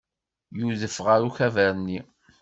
Yudef ɣer ukabar-nni.